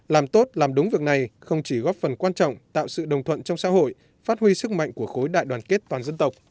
làm tốt làm đúng việc này không chỉ góp phần quan trọng tạo sự đồng thuận trong xã hội phát huy sức mạnh của khối đại đoàn kết toàn dân tộc